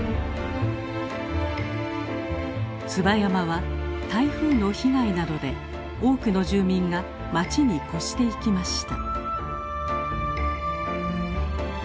椿山は台風の被害などで多くの住民が町に越していきました。